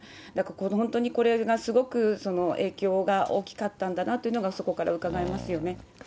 本当にこれがすごく影響が大きかったんだなというのがそこからうかがえますよね。